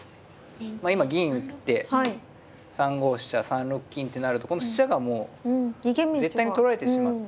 今銀打って３五飛車３六金ってなるとこの飛車がもう絶対に取られてしまって。